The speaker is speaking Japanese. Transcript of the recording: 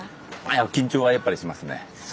いや緊張はやっぱりしますね。